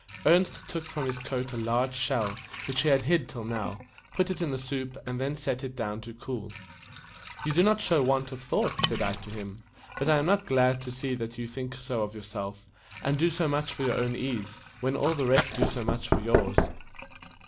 Ernest took from his coat a large shell, which he had hid till now, put it in the soup, and then set it down to cool. "You do not show want of thought," said I to him. "But I am not glad to see that you think so of your self, and do so much for your own ease, when all the rest do so much for yours.